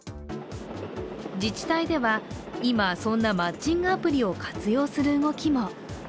自治体では今、そんなマッチングアプリを活用する動きも。